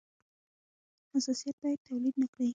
حساسیت باید تولید نه کړي.